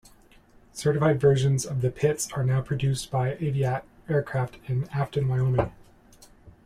Certified versions of the Pitts are now produced by Aviat Aircraft in Afton, Wyoming.